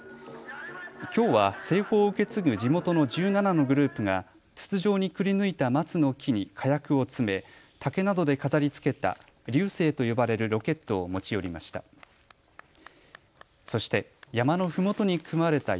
きょうは製法を受け継ぐ地元の１７のグループが筒状にくりぬいた松の木に火薬を詰め、竹などで飾りつけた龍勢と呼ばれるロケットを持ち寄りました。